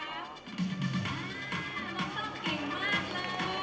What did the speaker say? อ่ามองต้องเก่งมากเลย